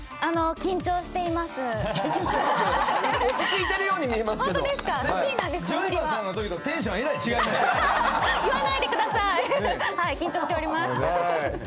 緊張しております。